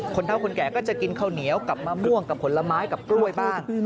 เท่าคนแก่ก็จะกินข้าวเหนียวกับมะม่วงกับผลไม้กับกล้วยบ้าง